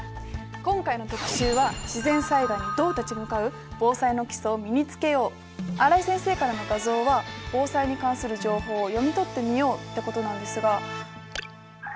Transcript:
今回の特集は新井先生からの画像は「防災に関する情報を読み取ってみよう」ってことなんですが。